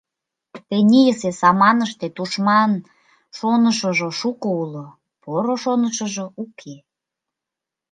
Тенийысе саманыште тушман шонышыжо шуко уло, поро шонышыжо уке...